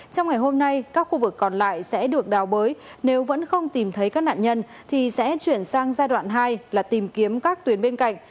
trong ngày hôm nay các khu vực còn lại sẽ được đào bới nếu vẫn không tìm thấy các nạn nhân thì sẽ chuyển sang giai đoạn hai là tìm kiếm các tuyến bên cạnh